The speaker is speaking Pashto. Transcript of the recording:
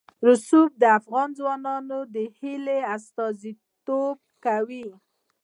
رسوب د افغان ځوانانو د هیلو استازیتوب کوي.